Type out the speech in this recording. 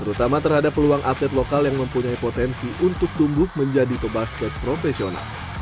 terutama terhadap peluang atlet lokal yang mempunyai potensi untuk tumbuh menjadi pebasket profesional